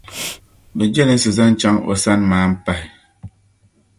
bɛ jɛlinsi zaŋ chaŋ o sani maan pahi.